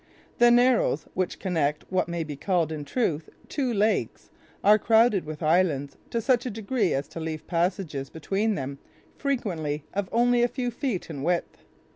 The narrows, which connect what may be called, in truth, two lakes, are crowded with islands to such a degree as to leave passages between them frequently of only a few feet in width.